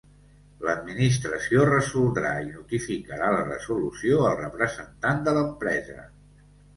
L'Administració resoldrà i notificarà la resolució al representant de l'empresa.